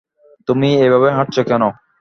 তুমি এভাবে হাঁটছ কেন?